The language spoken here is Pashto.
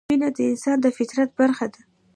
مینه د انسان د فطرت برخه ده.